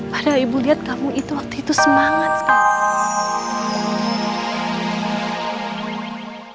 padahal ibu lihat kamu itu waktu itu semangat sekali